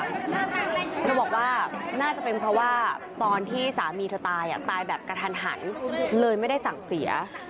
เธอบอกว่าน่าจะเป็นเพราะว่าตอนที่สามีเธอตายตายแบบกระทันหันเลยไม่ได้สั่งเสีย